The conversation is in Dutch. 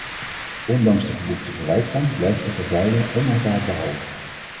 Ondanks de geboekte vooruitgang blijft de vervuiling onaanvaardbaar hoog.